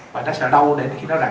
và nó sợ đau khi nó rằm